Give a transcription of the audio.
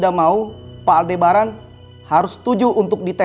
saya akan siapkan berkasnya ya pak nino